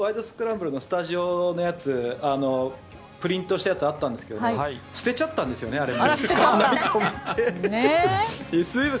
スクランブル」のスタジオのやつプリントしたやつがあったんですけど捨てちゃったんですよね。